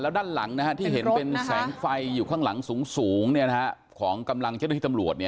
ด้านหลังที่เห็นเป็นแสงไฟอยู่ข้างหลังสูงของกำลังเจ้าหน้าที่ตำรวจ